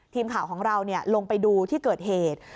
ทีมข่าวของเราลงไปดูที่เกิดเหตุ